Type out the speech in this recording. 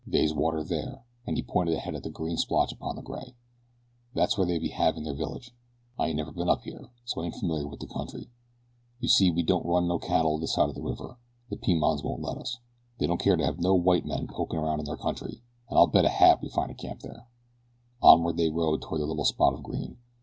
"They's water there," and he pointed ahead at the green splotch upon the gray. "That's where they'd be havin' their village. I ain't never been up here so I ain't familiar with the country. You see we don't run no cattle this side the river the Pimans won't let us. They don't care to have no white men pokin' round in their country; but I'll bet a hat we find a camp there." Onward they rode toward the little spot of green.